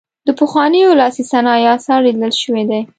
د پخوانیو لاسي صنایعو اثار لیدل شوي دي.